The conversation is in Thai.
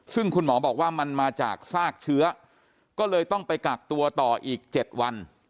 ซึ่งคุณหมอบอกว่ามันมาจากซากเชื้อก็เลยต้องไปกักตัวต่ออีก๗วัน